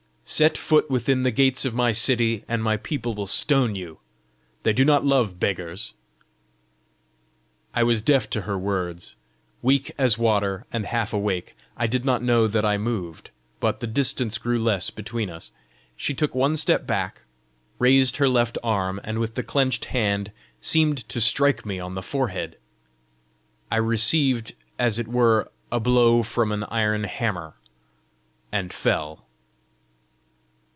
"Set foot within the gates of my city, and my people will stone you: they do not love beggars!" I was deaf to her words. Weak as water, and half awake, I did not know that I moved, but the distance grew less between us. She took one step back, raised her left arm, and with the clenched hand seemed to strike me on the forehead. I received as it were a blow from an iron hammer, and fell.